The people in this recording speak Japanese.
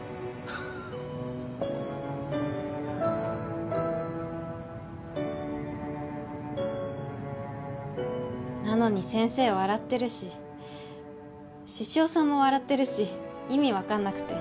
フフッなのに先生笑ってるし獅子雄さんも笑ってるし意味分かんなくて。